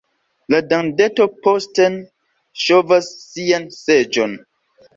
La dandeto posten ŝovas sian seĝon.